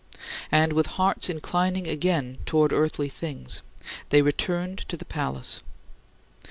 And with hearts inclining again toward earthly things, they returned to the palace.